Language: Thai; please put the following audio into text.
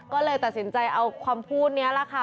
ก็เลยตัดสินใจเอาความพูดนี้แหละค่ะ